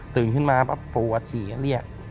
ตื่นขึ้นมาปวดฉี่ก็เรียก